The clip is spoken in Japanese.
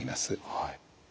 はい。